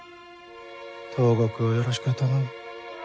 東国をよろしく頼む。